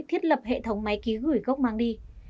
thiết lập hệ thống máy ký gửi gốc mang đi